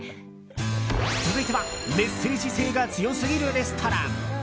続いては、メッセージ性が強すぎるレストラン。